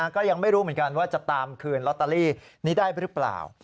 ก็ยังไม่รู้เหมือนกันว่าจะตามคืนลอตเตอรี่นี้ได้หรือเปล่า